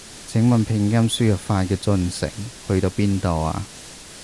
請問拼音輸入法嘅進程去到邊度啊？